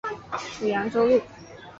属扬州路。